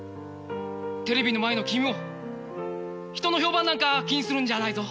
テレビの前の君も人の評判なんか気にするんじゃないぞ。